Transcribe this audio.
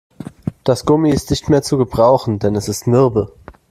Das Gummi ist nicht mehr zu gebrauchen, denn es ist mürbe.